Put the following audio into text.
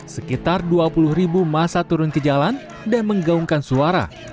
sekitar dua puluh ribu masa turun ke jalan dan menggaungkan suara